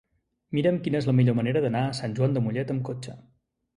Mira'm quina és la millor manera d'anar a Sant Joan de Mollet amb cotxe.